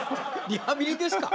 リハビリですか？